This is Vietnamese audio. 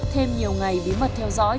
thêm nhiều ngày bí mật theo dõi